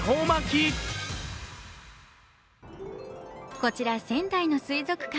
こちら、仙台の水族館。